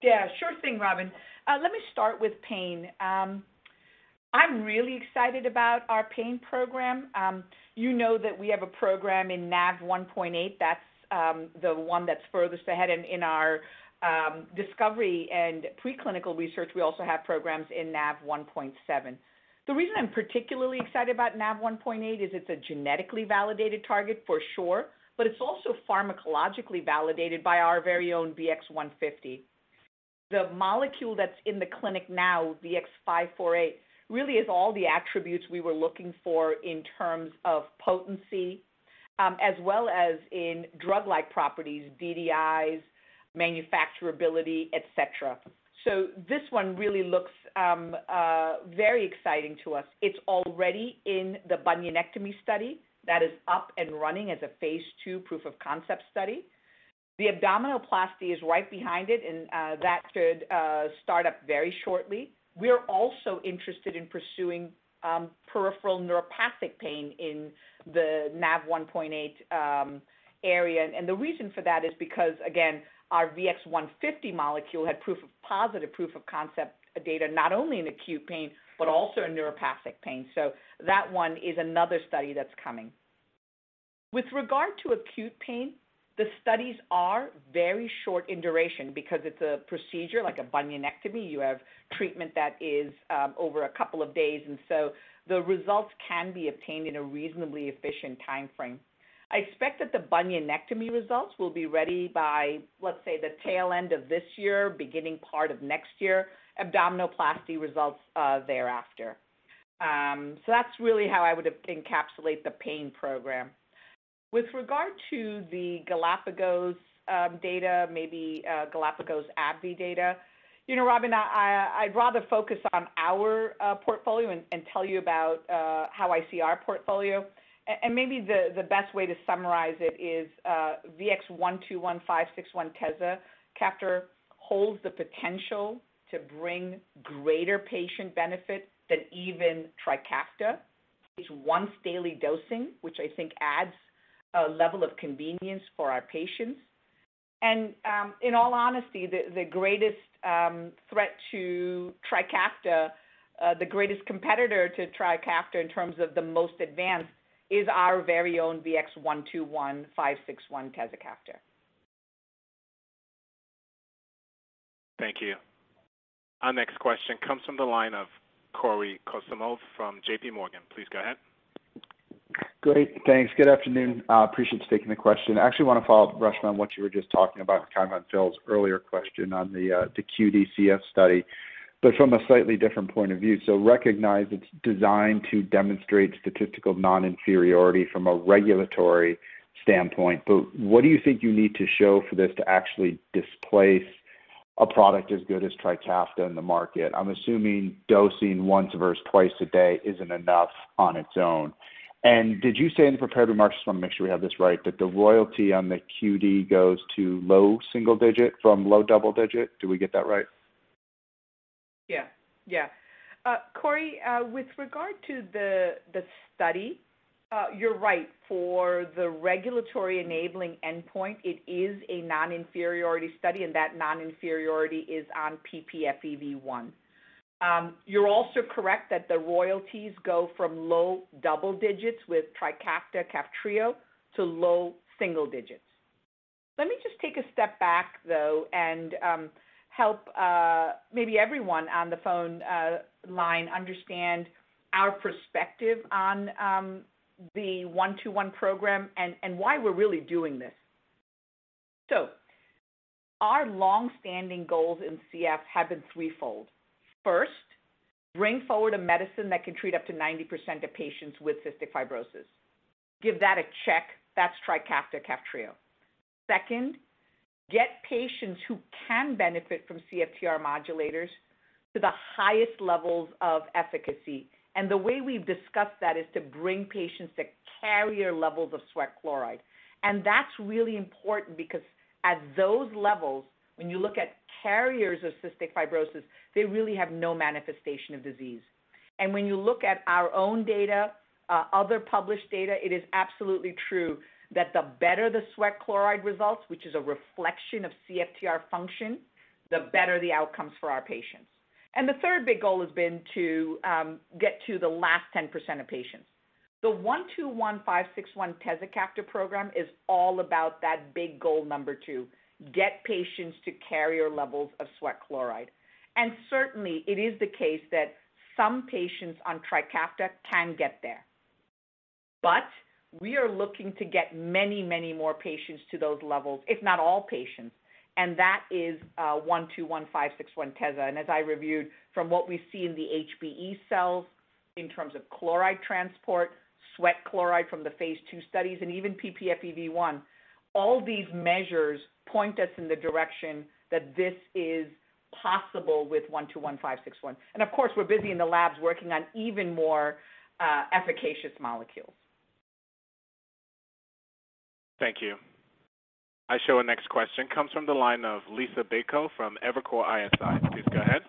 Yeah, sure thing, Robyn. Let me start with pain. I'm really excited about our pain program. You know that we have a program in NaV1.8. That's the one that's furthest ahead. In our discovery and pre-clinical research, we also have programs in NaV1.7. The reason I'm particularly excited about NaV1.8 is it's a genetically validated target for sure, but it's also pharmacologically validated by our very own VX-150. The molecule that's in the clinic now, VX-548, really is all the attributes we were looking for in terms of potency, as well as in drug-like properties, DDIs, manufacturability, et cetera. This one really looks very exciting to us. It's already in the bunionectomy study that is up and running as a phase II proof of concept study. The abdominoplasty is right behind it, and that should start up very shortly. We're also interested in pursuing peripheral neuropathic pain in the NaV1.8 area. The reason for that is because, again, our VX-150 molecule had positive proof of concept data, not only in acute pain but also in neuropathic pain. That one is another study that's coming. With regard to acute pain, the studies are very short in duration because it's a procedure like a bunionectomy. You have treatment that is over a couple days, and so the results can be obtained in a reasonably efficient timeframe. I expect that the bunionectomy results will be ready by, let's say, the tail end of this year, beginning part of next year, abdominoplasty results thereafter. That's really how I would encapsulate the pain program. With regard to the Galapagos data, maybe Galapagos AbbVie data, Robyn, I'd rather focus on our portfolio and tell you about how I see our portfolio. Maybe the best way to summarize it is VX-121-561 tezacaftor holds the potential to bring greater patient benefit than even TRIKAFTA. It's once daily dosing, which I think adds a level of convenience for our patients. In all honesty, the greatest threat to TRIKAFTA, the greatest competitor to TRIKAFTA in terms of the most advanced is our very own VX-121-561 tezacaftor. Thank you. Our next question comes from the line of Cory Kasimov from JPMorgan. Please go ahead. Great. Thanks. Good afternoon. I appreciate you taking the question. I actually want to follow up, Reshma, on what you were just talking about, kind of on Phil's earlier question on the QD CF study, but from a slightly different point of view. Recognize it's designed to demonstrate statistical non-inferiority from a regulatory standpoint, but what do you think you need to show for this to actually displace a product as good as TRIKAFTA in the market? I'm assuming dosing once versus twice a day isn't enough on its own. Did you say in the prepared remarks, just want to make sure we have this right, that the royalty on the QD goes to low single digit from low double digit? Did we get that right? Yeah. Cory, with regard to the study, you're right. For the regulatory enabling endpoint, it is a non-inferiority study, and that non-inferiority is on ppFEV1. You're also correct that the royalties go from low double digits with TRIKAFTA/KAFTRIO to low single digits. Let me just take a step back, though, and help maybe everyone on the phone line understand our perspective on the 121 program and why we're really doing this. Our longstanding goals in CF have been threefold. First, bring forward a medicine that can treat up to 90% of patients with cystic fibrosis. Give that a check. That's TRIKAFTA/KAFTRIO. Second, get patients who can benefit from CFTR modulators to the highest levels of efficacy. The way we've discussed that is to bring patients to carrier levels of sweat chloride. That's really important because at those levels, when you look at carriers of cystic fibrosis, they really have no manifestation of disease. When you look at our own data, other published data, it is absolutely true that the better the sweat chloride results, which is a reflection of CFTR function, the better the outcomes for our patients. The third big goal has been to get to the last 10% of patients. The VX-121/tezacaftor/VX-561 program is all about that big goal number 2, get patients to carrier levels of sweat chloride. Certainly, it is the case that some patients on TRIKAFTA can get there. We are looking to get many more patients to those levels, if not all patients, and that is VX-121/tezacaftor/VX-561. As I reviewed from what we see in the HBE cells in terms of chloride transport, sweat chloride from the phase II studies, and even ppFEV1, all these measures point us in the direction that this is possible with VX-121-561. Of course, we're busy in the labs working on even more efficacious molecules. Thank you. I show a next question comes from the line of Liisa Bayko from Evercore ISI. Please go ahead.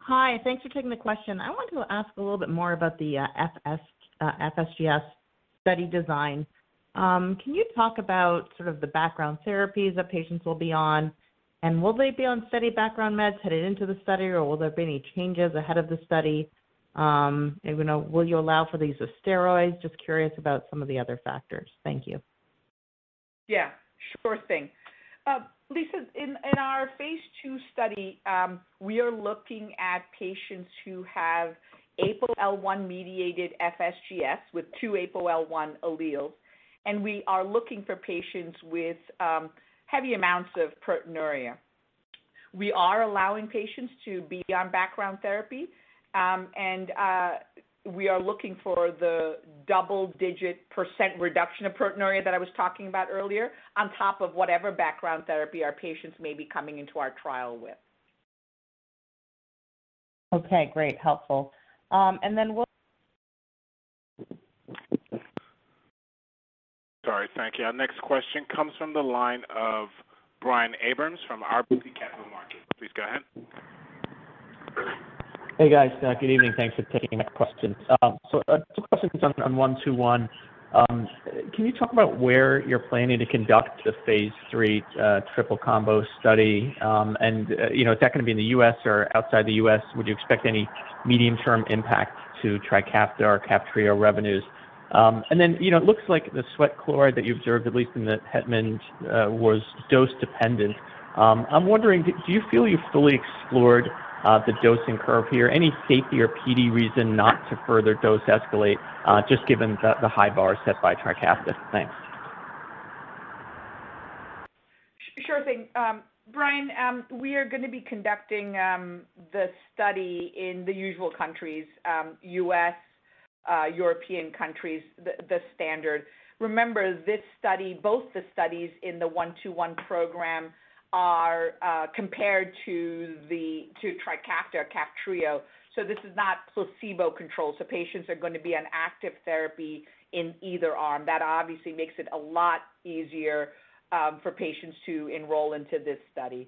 Hi. Thanks for taking the question. I wanted to ask a little bit more about the FSGS study design. Can you talk about sort of the background therapies that patients will be on, and will they be on steady background meds headed into the study, or will there be any changes ahead of the study? Will you allow for the use of steroids? Just curious about some of the other factors. Thank you. Yeah, sure thing. Liisa, in our phase II study we are looking at patients who have APOL1-mediated FSGS with two APOL1 alleles, and we are looking for patients with heavy amounts of proteinuria. We are allowing patients to be on background therapy, and we are looking for the double-digit % reduction of proteinuria that I was talking about earlier on top of whatever background therapy our patients may be coming into our trial with. Okay, great. Helpful. Sorry. Thank you. Our next question comes from the line of Brian Abrahams from RBC Capital Markets. Please go ahead. Hey, guys. Good evening. Thanks for taking the questions. A couple questions on VX-121. Can you talk about where you're planning to conduct the phase III triple combo study? Is that going to be in the U.S. or outside the U.S.? Would you expect any medium-term impact to TRIKAFTA/KAFTRIO revenues? It looks like the sweat chloride that you observed, at least in the het min, was dose-dependent. I'm wondering, do you feel you've fully explored the dosing curve here? Any safety or PD reason not to further dose escalate just given the high bar set by TRIKAFTA? Thanks. Sure thing. Brian, we are going to be conducting the study in the usual countries, U.S., European countries, the standard. Remember, both the studies in the VX-121 program are compared to TRIKAFTA/KAFTRIO. This is not placebo-controlled. Patients are going to be on active therapy in either arm. That obviously makes it a lot easier for patients to enroll into this study.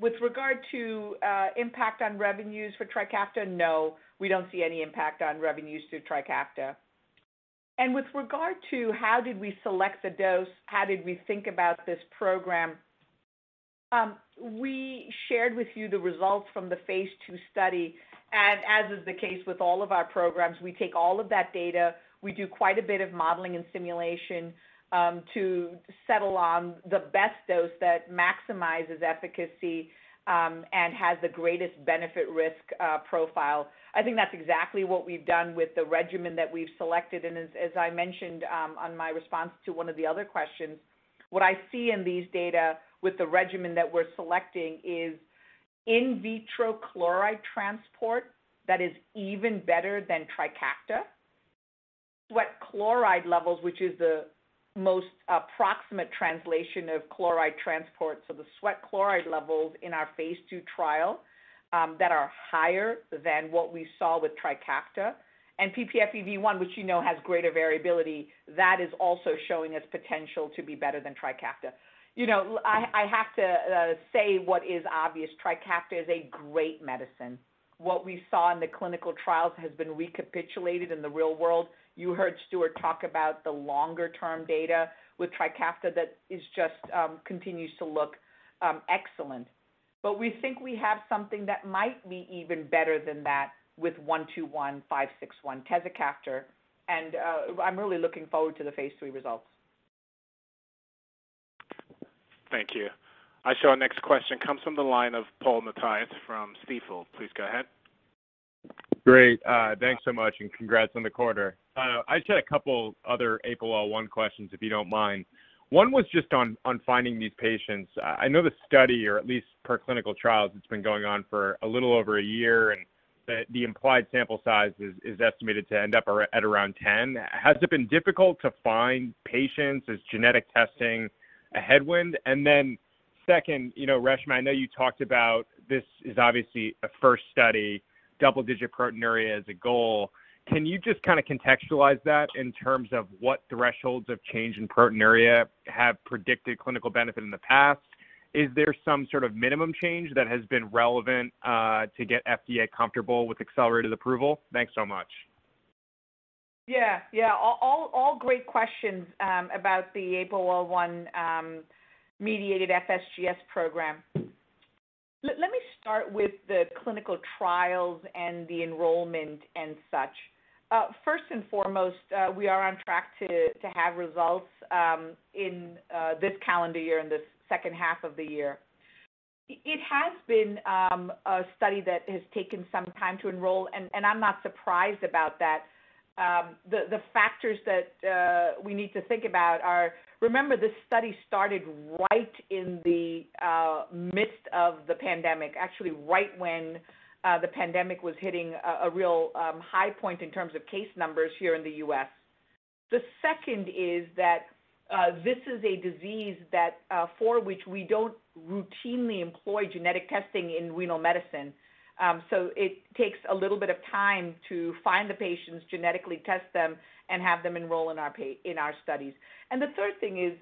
With regard to impact on revenues for TRIKAFTA, no, we don't see any impact on revenues to TRIKAFTA. With regard to how did we select the dose, how did we think about this program, we shared with you the results from the phase II study, and as is the case with all of our programs, we take all of that data. We do quite a bit of modeling and simulation to settle on the best dose that maximizes efficacy and has the greatest benefit-risk profile. I think that's exactly what we've done with the regimen that we've selected, and as I mentioned on my response to one of the other questions, what I see in these data with the regimen that we're selecting is in vitro chloride transport that is even better than TRIKAFTA. Sweat chloride levels, which is the most approximate translation of chloride transport, so the sweat chloride levels in our phase II trial that are higher than what we saw with TRIKAFTA, and ppFEV1, which you know has greater variability, that is also showing us potential to be better than TRIKAFTA. I have to say what is obvious, TRIKAFTA is a great medicine. What we saw in the clinical trials has been recapitulated in the real world. You heard Stuart talk about the longer-term data with TRIKAFTA that just continues to look excellent. We think we have something that might be even better than that with VX-121-561 tezacaftor, and I'm really looking forward to the phase III results. Thank you. I show our next question comes from the line of Paul Matteis from Stifel. Please go ahead. Great. Thanks so much. Congrats on the quarter. I just had a couple other APOL1 questions, if you don't mind. One was just on finding these patients. I know the study, or at least per clinical trials, it's been going on for a little over a year and that the implied sample size is estimated to end up at around 10. Has it been difficult to find patients? Is genetic testing a headwind? Second, Reshma, I know you talked about this is obviously a first study, double-digit proteinuria as a goal. Can you just kind of contextualize that in terms of what thresholds of change in proteinuria have predicted clinical benefit in the past? Is there some sort of minimum change that has been relevant, to get FDA comfortable with accelerated approval? Thanks so much. Yeah. All great questions about the APOL1-mediated FSGS program. Let me start with the clinical trials and the enrollment and such. First and foremost, we are on track to have results in this calendar year, in the second half of the year. It has been a study that has taken some time to enroll, and I'm not surprised about that. The factors that we need to think about are, remember, this study started right in the midst of the pandemic, actually right when the pandemic was hitting a real high point in terms of case numbers here in the U.S. The second is that this is a disease for which we don't routinely employ genetic testing in renal medicine. It takes a little bit of time to find the patients, genetically test them, and have them enroll in our studies. The third thing is,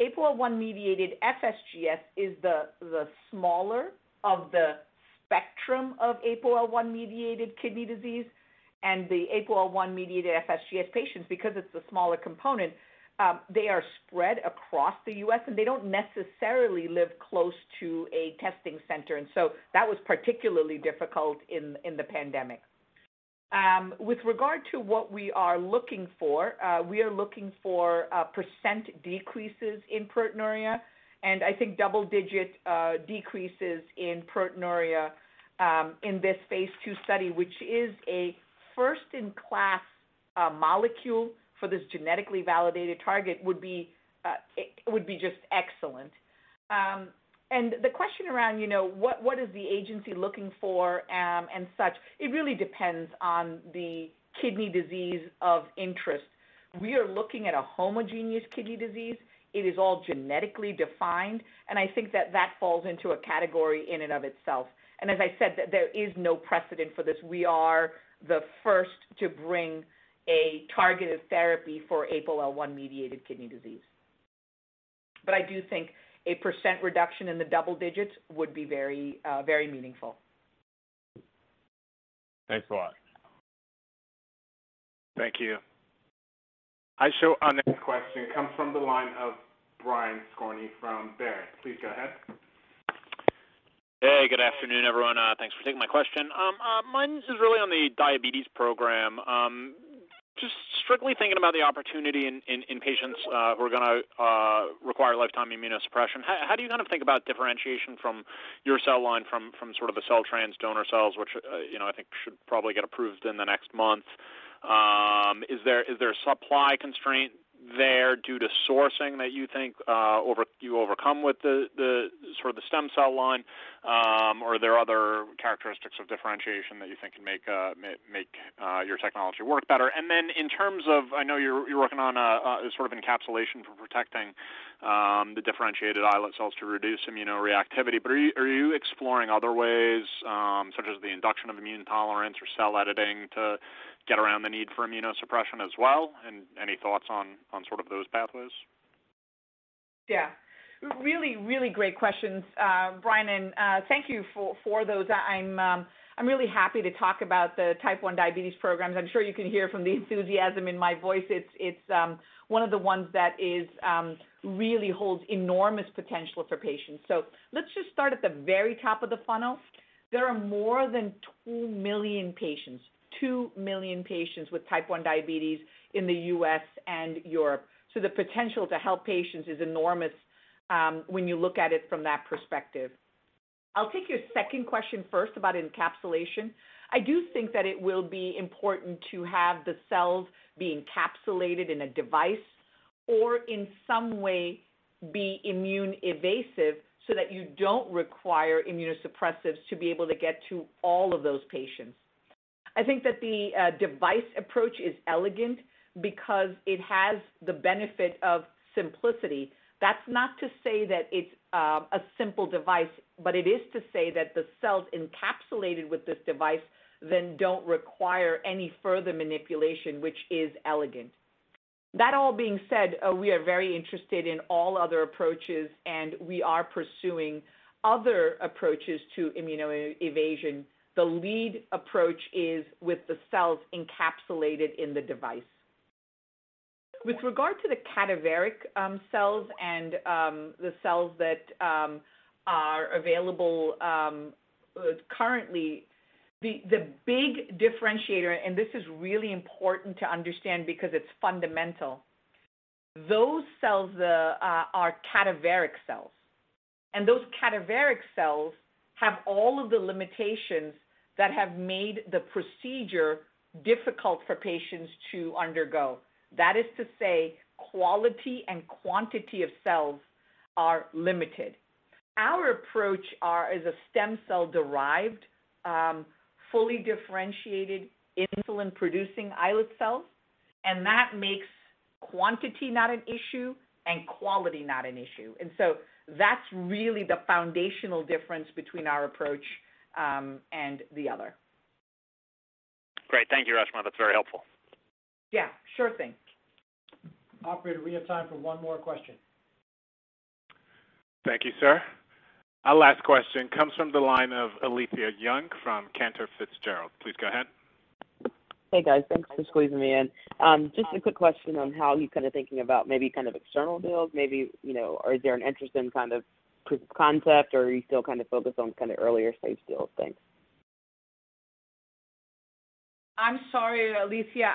APOL1-mediated FSGS is the smaller of the spectrum of APOL1-mediated kidney disease, and the APOL1-mediated FSGS patients, because it's the smaller component, they are spread across the U.S. and they don't necessarily live close to a testing center. That was particularly difficult in the pandemic. With regard to what we are looking for, we are looking for a percent decreases in proteinuria, and I think double-digit decreases in proteinuria in this phase II study, which is a first-in-class molecule for this genetically validated target, would be just excellent. The question around what is the agency looking for and such, it really depends on the kidney disease of interest. We are looking at a homogeneous kidney disease. It is all genetically defined, and I think that that falls into a category in and of itself. As I said, there is no precedent for this. We are the first to bring a targeted therapy for APOL1-mediated kidney disease. I do think a percent reduction in the double digits would be very meaningful. Thanks a lot. Thank you. I show our next question comes from the line of Brian Skorney from Baird. Please go ahead. Hey, good afternoon, everyone. Thanks for taking my question. Mine is really on the diabetes program. Just strictly thinking about the opportunity in patients who are going to require lifetime immunosuppression, how do you think about differentiation from your cell line from sort of the CellTrans donor cells, which I think should probably get approved in the next month? Is there a supply constraint there due to sourcing that you think you overcome with the stem cell line? Are there other characteristics of differentiation that you think can make your technology work better? In terms of, I know you're working on a sort of encapsulation for protecting the differentiated islet cells to reduce immunoreactivity, but are you exploring other ways, such as the induction of immune tolerance or cell editing to get around the need for immunosuppression as well? Any thoughts on sort of those pathways? Yeah. Really great questions, Brian, thank you for those. I'm really happy to talk about the Type 1 diabetes programs. I'm sure you can hear from the enthusiasm in my voice. It's one of the ones that really holds enormous potential for patients. Let's just start at the very top of the funnel. There are more than 2 million patients, 2 million patients with Type 1 diabetes in the U.S. and Europe. The potential to help patients is enormous when you look at it from that perspective. I'll take your second question first about encapsulation. I do think that it will be important to have the cells be encapsulated in a device or in some way be immune-evasive so that you don't require immunosuppressives to be able to get to all of those patients. I think that the device approach is elegant because it has the benefit of simplicity. That's not to say that it's a simple device, but it is to say that the cells encapsulated with this device then don't require any further manipulation, which is elegant. That all being said, we are very interested in all other approaches, and we are pursuing other approaches to immunoevasion. The lead approach is with the cells encapsulated in the device. With regard to the cadaveric cells and the cells that are available currently, the big differentiator, and this is really important to understand because it's fundamental. Those cells are cadaveric cells. Those cadaveric cells have all of the limitations that have made the procedure difficult for patients to undergo. That is to say, quality and quantity of cells are limited. Our approach is a stem cell-derived, fully differentiated insulin-producing islet cells, and that makes quantity not an issue and quality not an issue. That's really the foundational difference between our approach and the other. Great. Thank you, Reshma. That's very helpful. Yeah. Sure thing. Operator, we have time for one more question. Thank you, sir. Our last question comes from the line of Alethia Young from Cantor Fitzgerald. Please go ahead. Hey, guys. Thanks for squeezing me in. Just a quick question on how you're thinking about maybe external deals. Maybe, are there an interest in proof of concept, or are you still focused on earlier stage deals? Thanks. I'm sorry, Alethia.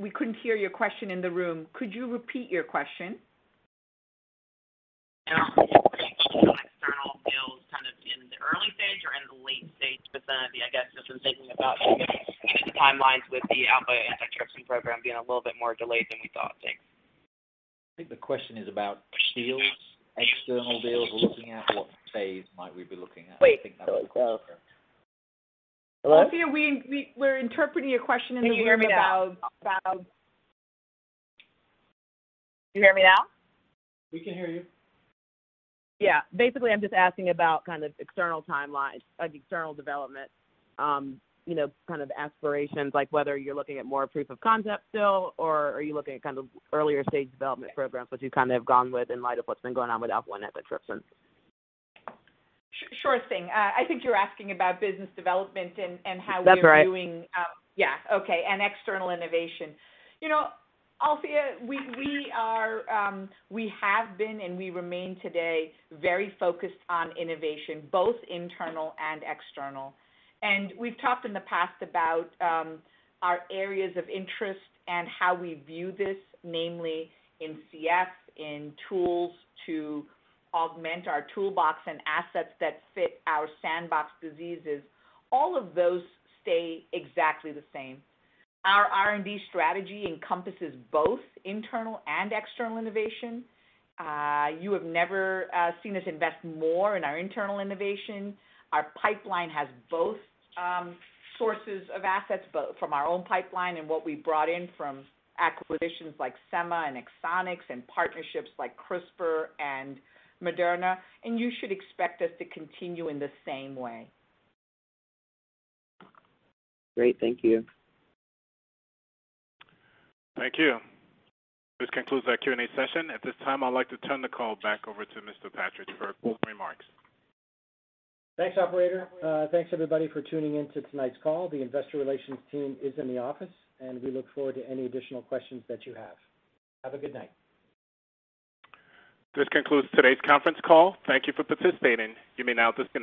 We couldn't hear your question in the room. Could you repeat your question? Are you looking at some external deals in the early stage or in the late stage? I guess just in thinking about the timelines with the Alpha-1 antitrypsin program being a little bit more delayed than we thought. Thanks. I think the question is about deals, external deals we're looking at, what phase might we be looking at? Wait. Alethia, we're interpreting your question in the room. Can you hear me now? We can hear you. Yeah. Basically, I'm just asking about kind of external timelines, like external development, kind of aspirations, like whether you're looking at more proof of concept still, or are you looking at kind of earlier stage development programs, which you have gone with in light of what's been going on with Alpha-1 antitrypsin? Sure thing. I think you're asking about business development- That's right. ...and how we are doing, yeah. Okay. External innovation. Alethia, we have been, and we remain today, very focused on innovation, both internal and external. We've talked in the past about our areas of interest and how we view this, namely in CF, in tools to augment our toolbox and assets that fit our sandbox diseases. All of those stay exactly the same. Our R&D strategy encompasses both internal and external innovation. You have never seen us invest more in our internal innovation. Our pipeline has both sources of assets, both from our own pipeline and what we brought in from acquisitions like Semma and Exonics and partnerships like CRISPR and Moderna, and you should expect us to continue in the same way. Great. Thank you. Thank you. This concludes our Q&A session. At this time, I'd like to turn the call back over to Michael Partridge for closing remarks. Thanks, operator. Thanks everybody for tuning in to tonight's call. The investor relations team is in the office, and we look forward to any additional questions that you have. Have a good night. This concludes today's conference call. Thank you for participating. You may now disconnect.